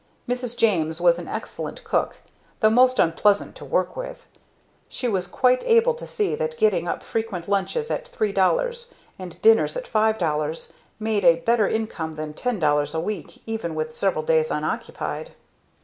Mrs. James was an excellent cook, though most unpleasant to work with. She was quite able to see that getting up frequent lunches at three dollars, and dinners at five dollars, made a better income than ten dollars a week even with several days unoccupied.